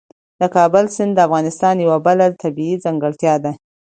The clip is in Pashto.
د کابل سیند د افغانستان یوه بله طبیعي ځانګړتیا ده.